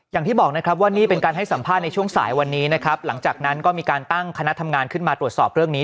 อย่างที่บอกนะครับว่านี่เป็นการให้สัมภาษณ์ในช่วงสายวันนี้นะครับหลังจากนั้นก็มีการตั้งคณะทำงานขึ้นมาตรวจสอบเรื่องนี้